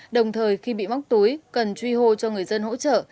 đồng thời khi bị móc túi cần truy hô cho người dân hỗ trợ